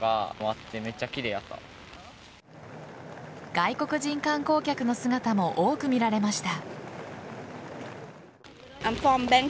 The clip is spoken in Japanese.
外国人観光客の姿も多く見られました。